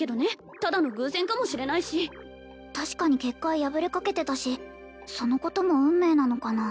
ただの偶然かもしれないし確かに結界破れかけてたしそのことも運命なのかな？